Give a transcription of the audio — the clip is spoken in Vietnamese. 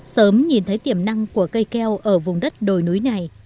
sớm nhìn thấy tiềm năng của cây keo ở vùng đất đồi núi này